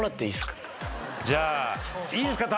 じゃあいいですか？